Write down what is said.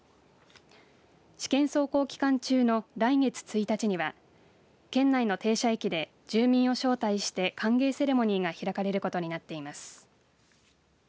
試験走行期間中の来月１日には県内の停車駅で住民を招待して歓迎セレモニーが開かれることになっています。